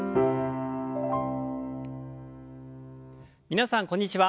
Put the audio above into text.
皆さんこんにちは。